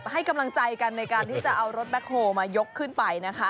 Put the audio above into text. ให้กำลังใจกันในการที่จะเอารถแบ็คโฮลมายกขึ้นไปนะคะ